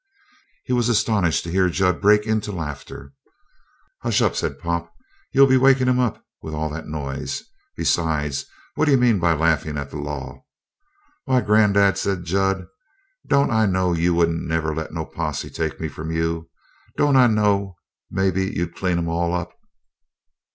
He was astonished to hear Jud break into laughter. "Hush up," said Pop. "You'll be wakin' him up with all that noise. Besides, what d'you mean by laughin' at the law?" "Why, granddad," said Jud, "don't I know you wouldn't never let no posse take me from you? Don't I know maybe you'd clean 'em all up?"